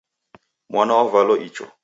Mwana wavalo icho